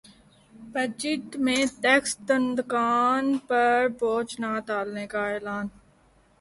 budget میں tax دہندگان پر بوجھ نہ ڈالنے کا اعلان